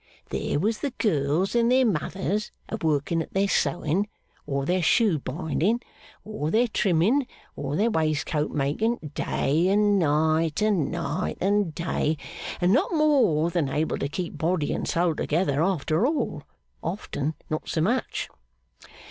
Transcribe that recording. There was the girls and their mothers a working at their sewing, or their shoe binding, or their trimming, or their waistcoat making, day and night and night and day, and not more than able to keep body and soul together after all often not so much.